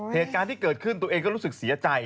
เหตุการณ์ที่เกิดขึ้นตัวเองก็รู้สึกเสียใจ